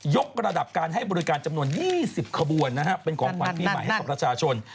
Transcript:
ยกระดับการให้บริการจำนวน๒๐ขบวนนะฮะเป็นของความที่ใหม่ของราชาชน